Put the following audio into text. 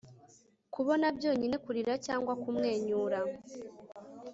Kubona byonyine kurira cyangwa kumwenyura